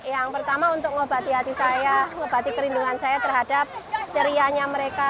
yang pertama untuk mengobati hati saya mengobati kerindungan saya terhadap cerianya mereka